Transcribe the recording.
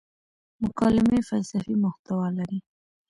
مکالمې فلسفي محتوا لري.